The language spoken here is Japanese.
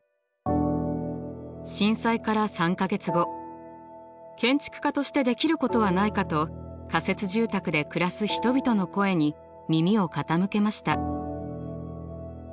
震災から３か月後建築家としてできることはないかと仮設住宅で暮らす人々の声に耳を傾けました。